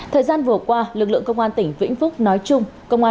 thời gian vừa qua lực lượng công an tỉnh vĩnh phúc nói chung